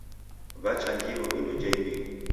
W'achanjiro indo ja imbiri.